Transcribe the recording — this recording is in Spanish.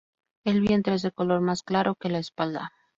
El vientre es de color más claro que la espalda.